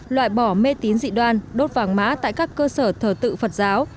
loại bỏ mê tín dị đoan đốt vàng mã tại các cơ sở thờ tự phật giáo